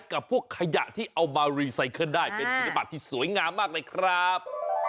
กับพวกขยะที่เอามารีไซเคิลได้เป็นศิลปะที่สวยงามมากเลยครับ